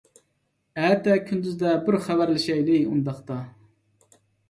ئەتە كۈندۈزدە بىر خەۋەرلىشەيلى ئۇنداقتا.